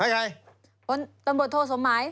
ค่ะต้นบทโทษหมาย